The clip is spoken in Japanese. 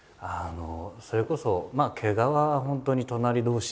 それこそケガは本当に隣同士で。